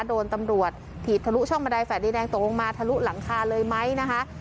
โดนตำรวจถีบทะลุช่องบันไดแดดดีแดงตกลงมาทะลุหลังคาเลยไหมนะคะ